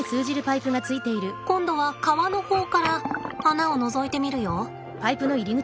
今度は川の方から穴をのぞいてみるよ。